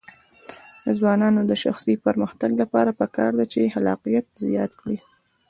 د ځوانانو د شخصي پرمختګ لپاره پکار ده چې خلاقیت زیات کړي.